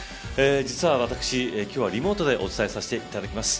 実は私、今日はリモートでお伝えさせていただきます。